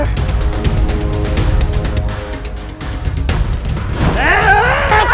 tolong nyai tolong raden